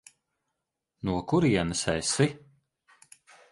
No kurienes esi?